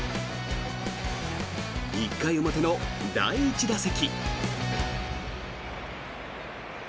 １回表の第１打席。